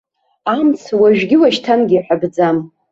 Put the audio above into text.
Амц уажәгьы уашьҭангьы иҳәатәӡам.